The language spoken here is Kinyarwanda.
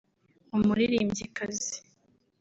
umuririmbyikazi